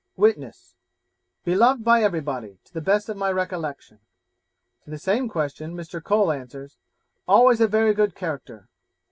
Witness 'Beloved by everybody, to the best of my recollection.' To the same question, Mr. Cole answers, 'Always a very good character.'